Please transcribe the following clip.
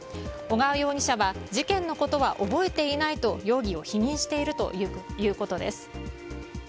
小川容疑者は事件のことは覚えていないと容疑を否認しているということです。